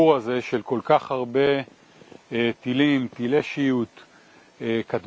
dan penyelamatannya dari banyak senjata senjata penyelamat